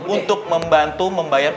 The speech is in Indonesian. untuk membantu membayar uang